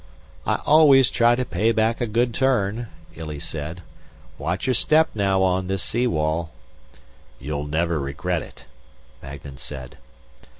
"I always try to pay back a good turn," Illy said. "Watch your step now on this sea wall." "You'll never regret it," Magnan said.